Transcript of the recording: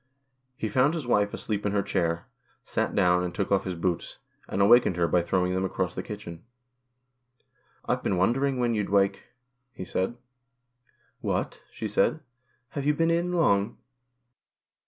He found his wife asleep in her chair, sat down and took off his boots, and awakened her by throwing them across the kitchen. " I've been wondering when you'd wake," he said. 1S6 GHOST TiXES. " What?" she said, " Have you been in long